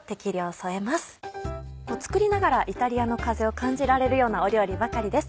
作りながらイタリアの風を感じられるような料理ばかりです。